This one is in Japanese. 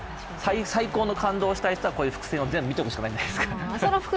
最高の感動したい人はこういう伏線を全部見たくないですか。